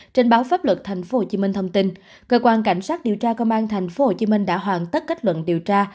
trên báo pháp luật tp hcm thông tin cơ quan cảnh sát điều tra công an tp hcm đã hoàn tất kết luận điều tra